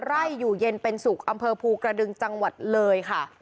ไร่อยู่เย็นเป็นสุขอำเภอภูกระดึงจังหวัดเลยค่ะ